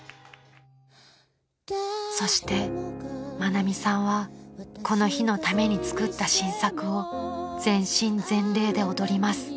［そして愛美さんはこの日のためにつくった新作を全身全霊で踊ります］